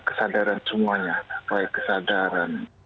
kesadaran semuanya baik kesadaran